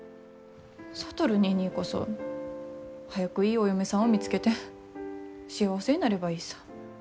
智ニーニーこそ早くいいお嫁さんを見つけて幸せになればいいさ。